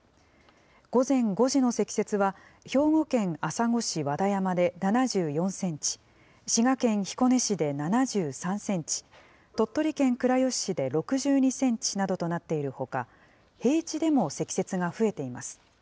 午前５時の積雪は、兵庫県朝来市和田山で７４センチ、滋賀県彦根市で７３センチ、鳥取県倉吉市で６２センチなどとなっているほか、平地でも積雪が増えています。